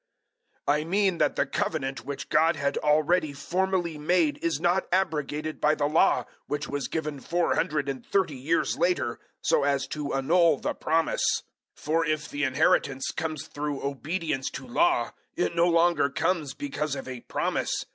003:017 I mean that the Covenant which God had already formally made is not abrogated by the Law which was given four hundred and thirty years later so as to annul the promise. 003:018 For if the inheritance comes through obedience to Law, it no longer comes because of a promise.